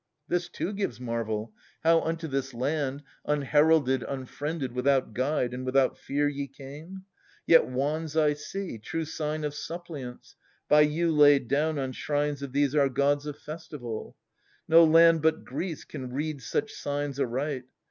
This too gives marvel, how unto this land, * p l e Unheralded, unfriended, without guide, And without fear, ye came ? yet wands I see. True sign of suppliance, by you laid down On shrines of these our gods of festival. No land but Greece can rede such signs aright.